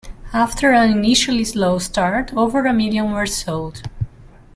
After an initially slow start, over a million were sold.